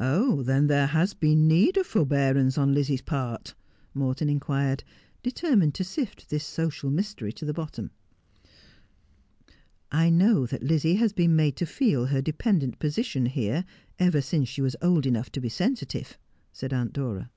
Oh, then there has been need of forbearance on Lizzie's part 1 ' Morton inquired, determined to sift this social mystery to the bottom. ' I know that Lizzie has been made to feel her dependent position here ever since she was old enough to be sensitive,' said Aunt Dora.